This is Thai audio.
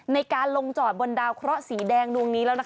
ในการลงจอดบนดาวเคราะห์สีแดงดวงนี้แล้ว